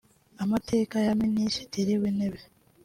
Amateka ya Minisitiri w’Intebe